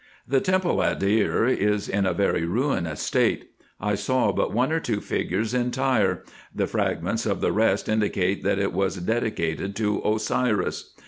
The temple at Deir is in a very ruinous state. I saw but one or two figures entire : the fragments of the rest indicate, that it was dedicated to Osiris.